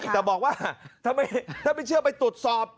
แต่บอกว่าถ้าไม่เชื่อไปตรวจสอบ